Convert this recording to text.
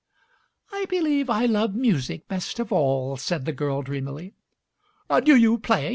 "I believe I love music best of all," said the girl dreamily. "Do you play?"